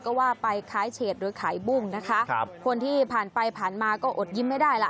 ก็ว่าไปคล้ายเชษโดยขายบุ่งนะคะคนที่ผ่านไปผ่านมาก็อดยิ้มไม่ได้ล่ะ